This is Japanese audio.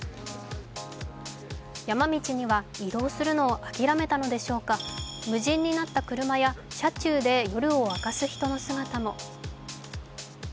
山道には移動するのを諦めたのでしょうか、無人になった車や車中で夜を明かす人の姿も。